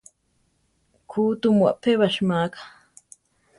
¡ʼku tumu apébasi máka!